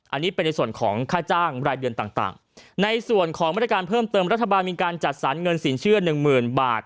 อันนี้เป็นในส่วนของค่าจ้างรายเดือนต่างในส่วนของมาตรการเพิ่มเติมรัฐบาลมีการจัดสรรเงินสินเชื่อหนึ่งหมื่นบาท